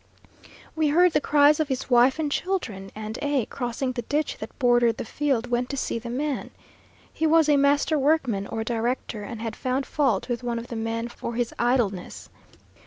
We heard the cries of his wife and children, and A , crossing the ditch that bordered the field, went to see the man. He was a master workman, or director, and had found fault with one of the men for his idleness.